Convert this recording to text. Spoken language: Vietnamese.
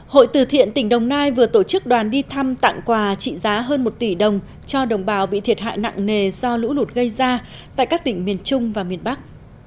hội từ thiện tỉnh đồng nai vừa tổ chức đoàn đi thăm tặng quà trị giá hơn một tỷ đồng cho đồng bào bị thiệt hại nặng nề do lũ lụt gây ra tại các tỉnh miền trung và miền bắc